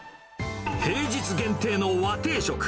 平日限定の和定食。